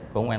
của công an